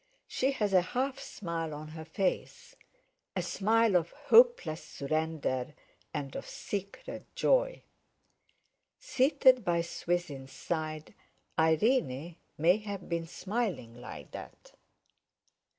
She has a half smile on her face—a smile of hopeless surrender and of secret joy. Seated by Swithin's side, Irene may have been smiling like that.